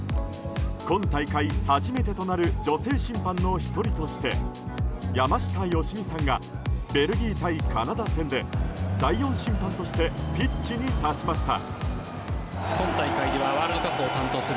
今大会初めてとなる女性審判の１人として山下良美さんがベルギー対カナダ戦で第４審判としてピッチに立ちました。